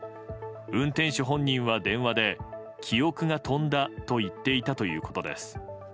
運転手本人は電話で記憶が飛んだと言っていたということです。